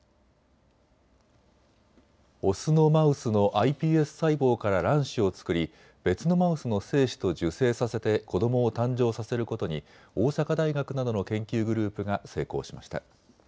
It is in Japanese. オスのマウスのｉＰＳ細胞から卵子を作り別のマウスの精子と受精させて子どもを誕生させることに大阪大学などの研究グループが成功しました。